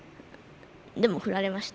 でもフラれました。